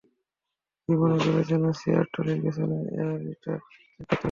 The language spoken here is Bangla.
কী মনে করে যেন সিয়ারটলীর পেছনের এরিয়াটা চেক করতে গেলাম।